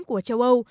của châu âu